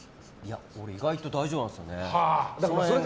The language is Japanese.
俺、意外と大丈夫なんですよね。